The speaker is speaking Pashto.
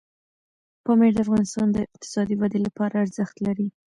پامیر د افغانستان د اقتصادي ودې لپاره ارزښت لري.